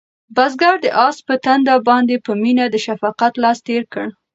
بزګر د آس په تندي باندې په مینه د شفقت لاس تېر کړ.